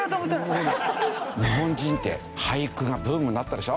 日本人って俳句がブームになったでしょ。